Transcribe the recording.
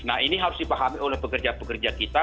nah ini harus dipahami oleh pekerja pekerja kita